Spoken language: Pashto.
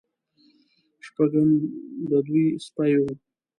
شپږم د دوی سپی و.